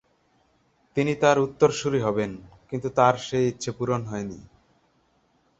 তিনি তাঁর উত্তরসূরি হবেন, কিন্তু তাঁর সেই ইচ্ছে পূরণ হয়নি।